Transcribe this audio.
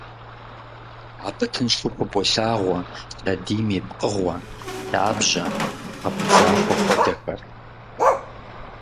Абы тыншу хыболъагъуэ лъэдийм и пкъыгъуэ, лъабжьэ, пхъэ пыдзахуэ хуэдэхэр.